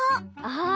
ああ。